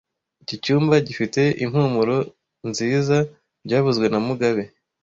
Iki cyumba gifite impumuro nziza byavuzwe na mugabe